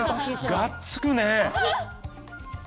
がっつくね！